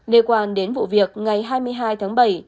liên quan đến vụ việc ngày hai mươi hai tháng bảy